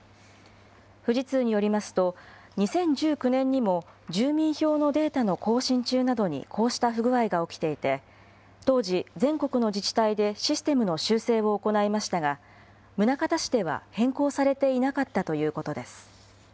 富士通によりますと、２０１９年にも住民票のデータの更新中などにこうした不具合が起きていて、当時、全国の自治体でシステムの修正を行いましたが、宗像市では変更されていなかったということです。